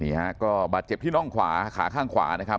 นี่ฮะก็บาดเจ็บที่น่องขวาขาข้างขวานะครับ